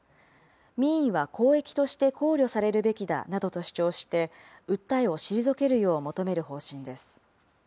民意は公益として考慮されるべきだなどと主張して、訴えを退けるよう求める方針です。